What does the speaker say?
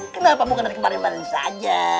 kenapa bukan dari kemarin kemarin saja